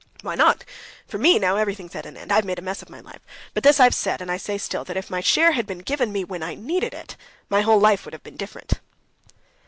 "Why not? For me now ... everything's at an end! I've made a mess of my life. But this I've said, and I say still, that if my share had been given me when I needed it, my whole life would have been different."